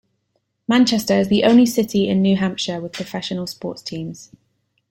Manchester is the only city in New Hampshire with professional sports teams.